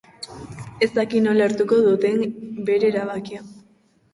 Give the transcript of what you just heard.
Ez daki nola hartuko duten bere erabakia.